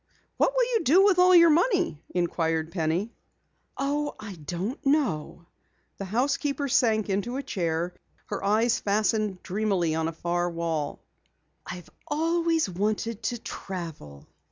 "What will you do with all your money?" inquired Penny. "Oh, I don't know." The housekeeper sank into a chair, her eyes fastening dreamily on a far wall. "I've always wanted to travel."